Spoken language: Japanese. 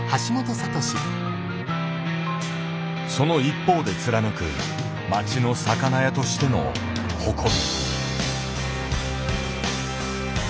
その一方で貫く町の魚屋としての誇り。